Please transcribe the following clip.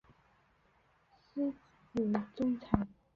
司职中场。